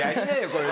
これ。